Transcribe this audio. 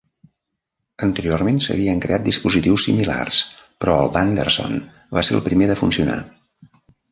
Anteriorment s'havien creat dispositius similars, però el d'Anderson va ser el primer de funcionar.